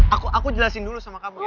aku jelasin dulu sama kamu ya